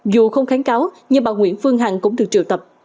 dù không kháng cáo nhưng bà nguyễn phương hằng cũng được triệu tập